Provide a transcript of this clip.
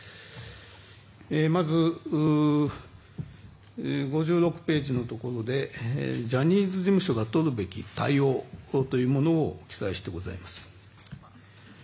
まず、５６ページのところでジャニーズ事務所がとるべき対応というものを記載してございます。